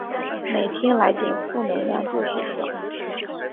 每天来点负能量就是爽